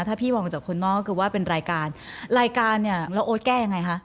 ถ้าพี่มองจากคุณนอกที่ว่าเป็นรายการแล้วโอ๊ดแก้ยังไงคะ